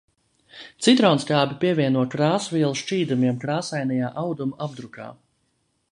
Citronskābi pievieno krāsvielu šķīdumiem krāsainajā audumu apdrukā.